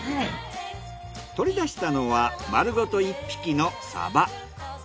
取り出したのは丸ごと１匹のサバ。